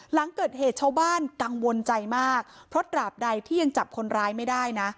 หลังเกิดเหตุชาวบ้านกังวลใจมากเพราะตราบใดที่ยังจับคนร้ายไม่ได้นะ